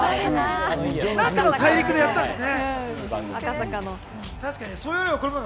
何かの大陸でやってたんですね。